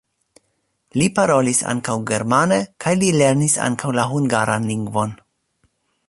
Li parolis ankaŭ germane kaj li lernis ankaŭ la hungaran lingvon.